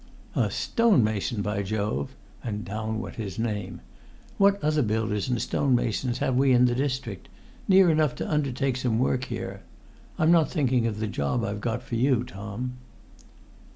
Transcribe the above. "A stonemason, by Jove!" and down went his name. "What other builders and stonemasons have we in the district—near enough to undertake some work here? I'm not thinking of the job I've got for you, Tom."